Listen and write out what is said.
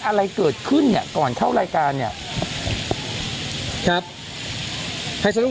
อะไรเกิดขึ้นเนี่ยก่อนเข้ารายการเนี่ยครับ